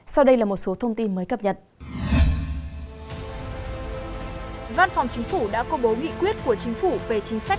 sau đây là một số thông tin mới cập nhật